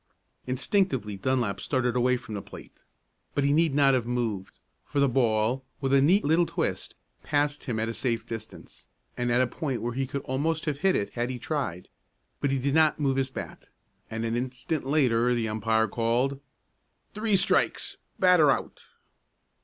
Instinctively Dunlap started away from the plate, but he need not have moved, for the ball, with a neat little twist, passed him at a safe distance, and at a point where he could almost have hit it had he tried. But he did not move his bat, and an instant later the umpire called: "Three strikes batter out!"